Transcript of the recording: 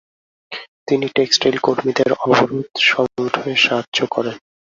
তিনি টেক্সটাইল কর্মীদের অবরোধ সংগঠনে সাহায্য করেন।